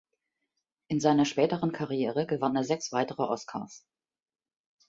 In seiner späteren Karriere gewann er sechs weitere Oscars.